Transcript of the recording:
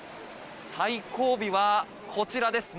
最後尾はこちらです。